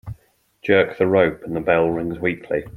Jerk the rope and the bell rings weakly.